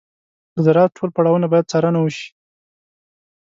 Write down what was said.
د زراعت ټول پړاوونه باید څارنه وشي.